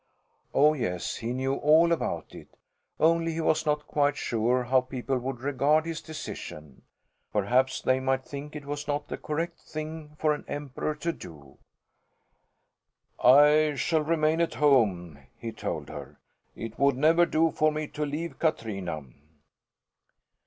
Oh, yes, he knew all about it, only he was not quite sure how people would regard his decision. Perhaps they might think it was not the correct thing for an emperor to do. "I shall remain at home," he told her. "It would never do for me to leave Katrina."